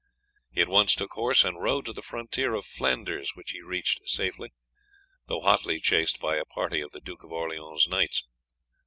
He at once took horse and rode to the frontier of Flanders, which he reached safely, though hotly chased by a party of the Duke of Orleans' knights.